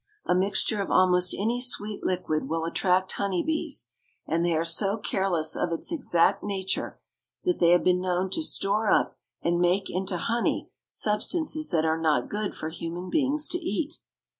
A mixture of almost any sweet liquid will attract honey bees, and they are so careless of its exact nature that they have been known to store up and make into honey substances that are not good for human beings to eat.